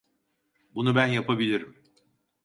Bunu ben yapabilirim.